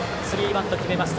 スリーバント決めました。